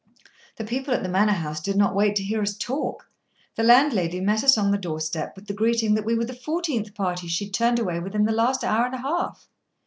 The people at the Manor House did not wait to hear us talk. The landlady met us on the doorstep with the greeting that we were the fourteenth party she had turned away within the last hour and a half.